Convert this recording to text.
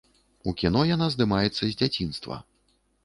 У кіно яна здымаецца з дзяцінства.